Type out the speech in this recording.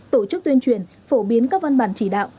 tổ chức tuyên truyền phổ biến các văn bản chỉ đạo